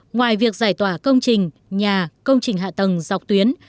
ngoài việc giải tỏa công trình nhà công trình hạ tầng dọc tuyến